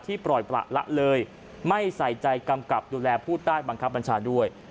ปล่อยประละเลยไม่ใส่ใจกำกับดูแลผู้ใต้บังคับบัญชาด้วย